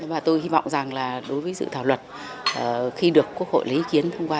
và tôi hy vọng rằng là đối với dự thảo luật khi được quốc hội lấy ý kiến thông qua